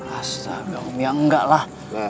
astaga om ya enggak lah